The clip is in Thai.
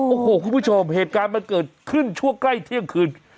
โอ้โหคุณผู้ชมเหตุการณ์มันเกิดขึ้นช่วงใกล้เที่ยงคืน